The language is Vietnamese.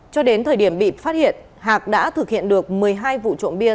cho đến thời điểm bị phát hiện hạc đã thực hiện được một mươi hai vụ trộm bia